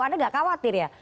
anda tidak khawatir ya